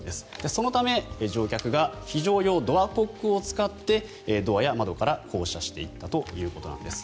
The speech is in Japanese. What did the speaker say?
そのため乗客が非常用ドアコックを使ってドアや窓から降車していったということです。